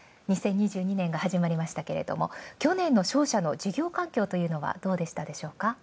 ２０２２年が始まりましたが去年の商社の事業環境というのはどうでしたでしょうか。